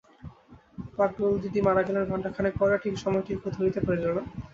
পাগলদিদি মারা গেলেন ঘণ্টাখানেক পরে, ঠিক সময়টি কেহ ধরিতে পারিল না।